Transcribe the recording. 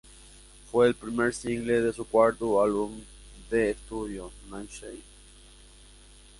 Fue el primer single de su cuarto álbum de estudio, Night Shades.